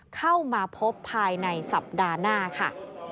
เข้ามาพบภายในสัปดาห์หน้าค่ะ